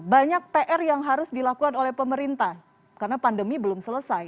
banyak pr yang harus dilakukan oleh pemerintah karena pandemi belum selesai